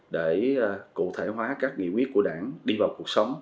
để cụ thể hóa các nghị quyết của đảng đi vào cuộc sống